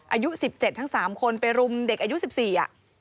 อายุ๑๗ทั้ง๓คนไปรุมเด็กอายุ๑๔อ่ะ